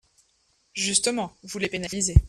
Justement, vous les pénalisez.